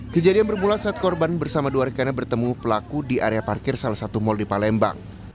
kejadian bermula saat korban bersama dua rekannya bertemu pelaku di area parkir salah satu mal di palembang